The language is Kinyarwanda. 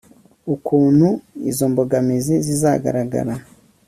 Ukuntu izo mbogamizi zigaragara